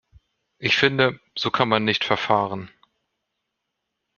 Ich finde, so kann man nicht verfahren.